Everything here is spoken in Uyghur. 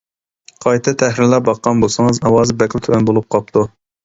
قايتا تەھرىرلەپ باققان بولسىڭىز ئاۋازى بەكلا تۆۋەن بولۇپ قاپتۇ.